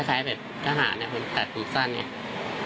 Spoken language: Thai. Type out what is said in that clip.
คล้ายแบบทหารอะค่ะแต่ผมสั้นเนี่ย